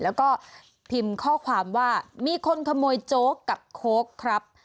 แล้วก็พิมพ์ข้อความว่ามีคนขโมยโจ๊กกับโค้กครับ